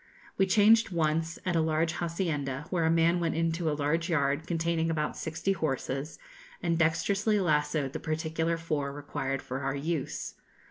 We changed once at a large hacienda, where a man went into a large yard, containing about sixty horses, and dexterously lassoed the particular four required for our use.